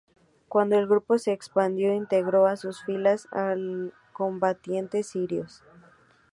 Cuando el grupo se expandió, integró a sus filas a combatientes sirios.